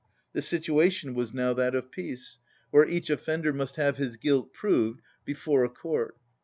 The situation was now that of peace, where each offender must have his guilt proved before a m court.